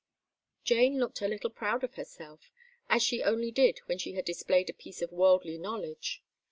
Jane looked a little proud of herself, as she only did when she had displayed a piece of worldly knowledge.